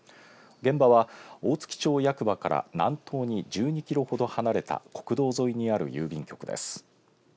現場は、大月町役場から南東に１２キロほど離れた国道沿いにある郵便局です。